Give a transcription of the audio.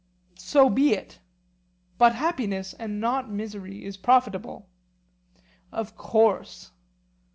So be it. But happiness and not misery is profitable. Of course.